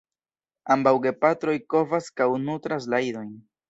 Ambaŭ gepatroj kovas kaj nutras la idojn.